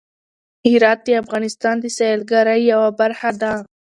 هرات د افغانستان د سیلګرۍ یوه برخه ده.